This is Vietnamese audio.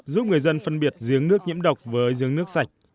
giúp người dân phân biệt giếng nước nhiễm độc với giếng nước sạch